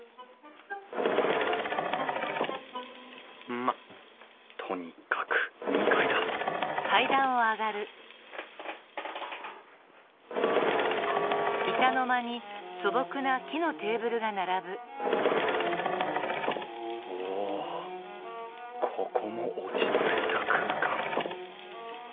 まっとにかく２階だおおここも落ち着いた空間